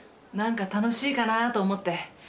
なんか楽しいかなと思って。